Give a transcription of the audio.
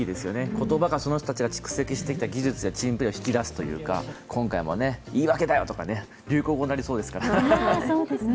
言葉がその人たちが蓄積してきた技術やチームプレーを引き出すということで、今回も言い訳だよ！とか流行語になりそうですね。